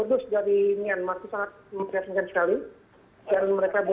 dengan saya yuda anca